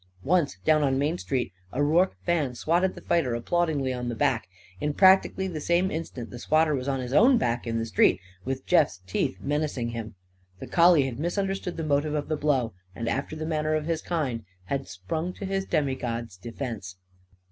Once, down on Main Street, a Rorke fan swatted the fighter applaudingly on the back. In practically the same instant the swatter was on his own back in the street, with Jeff's teeth menacing him. The collie had misunderstood the motive of the blow, and, after the manner of his kind, had sprung to his demigod's defence.